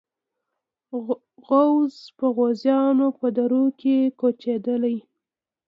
غوز په غزنویانو په دوره کې کوچېدلي.